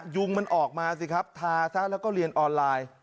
ยุงมันออกมาสิครับทาซะแล้วก็เรียนออนไลน์